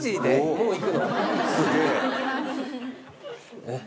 もういくの？